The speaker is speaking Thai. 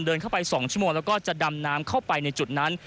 เดินเข้าไป๒ชั่วโมงแล้วก็จะดำน้ำเข้าไปในจุดนั้น